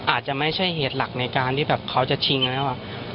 อาจจะไม่ใช่เหตุหลักในการที่แบบเขาจะชิงแล้ว